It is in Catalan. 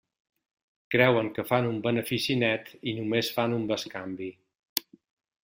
Creuen que fan un benefici net, i només fan un bescanvi.